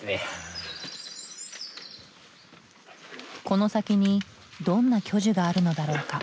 この先にどんな巨樹があるのだろうか？